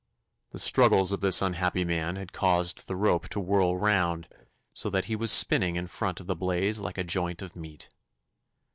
The struggles of this unhappy man had caused the rope to whirl round, so that he was spinning in front of the blaze like a joint of meat.